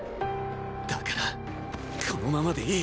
だからこのままでいい！